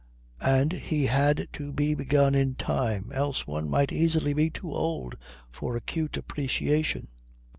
And he had to be begun in time, else one might easily be too old for acute appreciation.